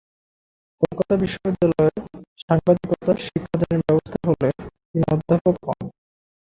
কলকাতা বিশ্ববিদ্যালয়ে সাংবাদিকতা শিক্ষাদানের ব্যবস্থা হলে তিনি অধ্যাপক হন।